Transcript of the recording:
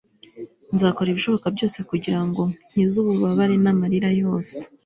nzakora ibishoboka byose kugira ngo nkize ububabare n'amarira yose